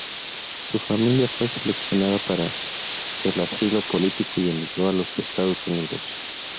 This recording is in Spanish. Su familia fue seleccionada para el asilo político y emigró a los Estados Unidos.